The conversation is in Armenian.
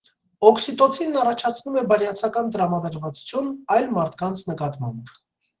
Օքսիտոցինն առաջացնում է բարյացակամ տրամադրվածություն այլ մարդկանց նկատմամբ։